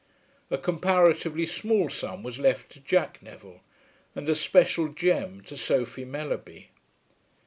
A comparatively small sum was left to Jack Neville, and a special gem to Sophie Mellerby.